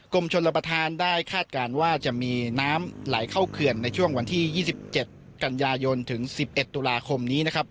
ชนรับประทานได้คาดการณ์ว่าจะมีน้ำไหลเข้าเขื่อนในช่วงวันที่๒๗กันยายนถึง๑๑ตุลาคมนี้นะครับ